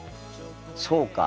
そうか。